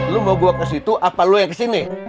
lo mau gua ke situ apalong ke sini